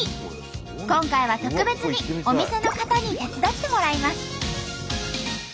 今回は特別にお店の方に手伝ってもらいます。